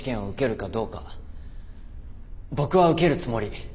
僕は受けるつもり。